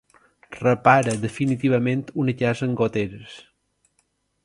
Repara definitivament una casa amb goteres.